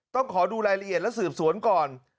ต้องขอดูรายละเอียดและสืบสวนก่อน